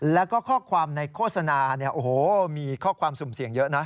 แล้วก็ข้อความในโฆษณาเนี่ยโอ้โหมีข้อความสุ่มเสี่ยงเยอะนะ